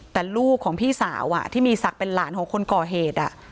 แต่ลูกของพี่สาวที่มีศักดิ์เป็นหลานของคนก่อเหตุ